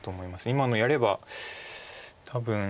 今のやれば多分。